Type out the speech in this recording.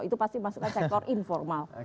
itu pasti masuk ke sektor informal